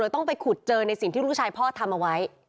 ต้องไปขุดเจอในสิ่งที่ลูกชายพ่อทำเอาไว้